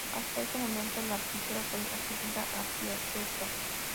Hasta ese momento, la pintura fue atribuida a Piazzetta.